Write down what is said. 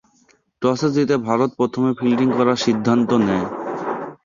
টসে জিতে ভারত প্রথমে ফিল্ডিং করার সিদ্ধান্ত নেয়।